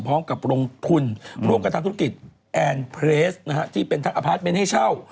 พร้อมกับโรงพุนโรงกระทับธุรกิจแอนเพรสนะฮะที่เป็นทางอภาษณ์เป็นให้เช่า